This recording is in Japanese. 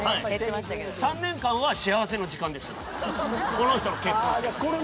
この人の結婚生活。